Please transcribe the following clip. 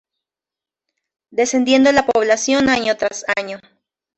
Descendiendo la población año tras año.